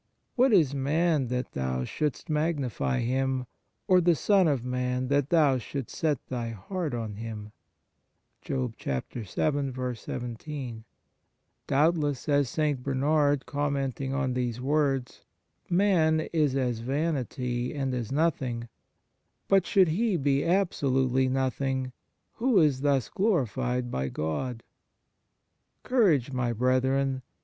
" What is man that Thou shouldst magnify him ? or the son of man that thou shouldst set Thy heart on him P" 1 " Doubtless," says St. Bernard, commenting on these words, " man is as vanity, and as nothing; but should he be absolutely nothing who is thus glorified by God ? Courage, my brethren